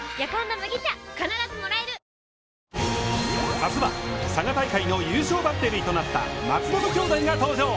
あすは佐賀大会の優勝バッテリーとなった松延兄弟が登場。